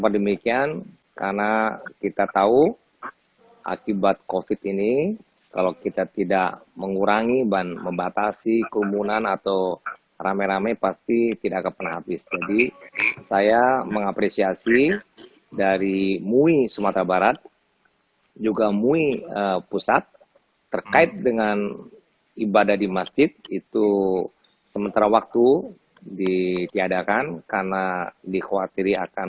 di tiadakan karena dikhawatiri akan